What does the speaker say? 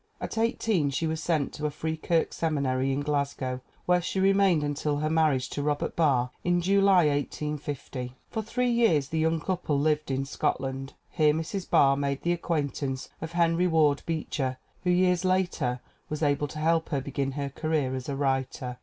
At eighteen she was sent to a Free Kirk seminary in Glasgow, where she remained until her marriage to Robert Barr in July, 1850. For three years the young couple lived in Scotland. Here Mrs. Barr made the acquaintance of Henry Ward Beecher, who years later was able to help her begin her career as a writer.